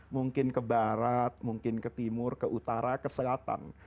mungkin ke barat mungkin ke timur ke utara ke selatan